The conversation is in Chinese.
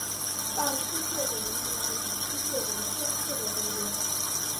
半吸血鬼拥有与吸血鬼相似的力量。